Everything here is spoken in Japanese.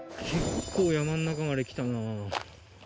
結構山の中まで来たな。